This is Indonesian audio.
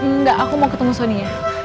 nggak aku mau ketemu sonia